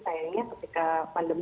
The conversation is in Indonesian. masih belum dibuka kembali